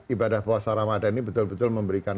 ibadah puasa ramadan ini betul betul memberikan